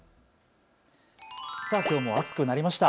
きょうも暑くなりました。